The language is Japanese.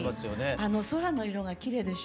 あの空の色がきれいでしょ？